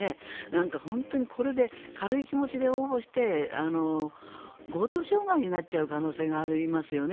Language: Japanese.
なんか、本当にこれで軽い気持ちで応募して強盗傷害になっちゃう可能性がありますよね。